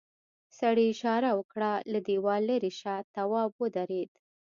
سړي اشاره وکړه له دیوال ليرې شه تواب ودرېد.